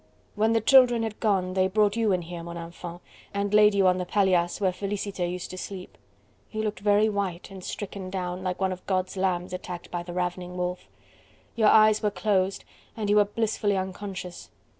"When the children had gone, they brought you in here, mon enfant, and laid you on the paillasse where Felicite used to sleep. You looked very white, and stricken down, like one of God's lambs attacked by the ravening wolf. Your eyes were closed and you were blissfully unconscious.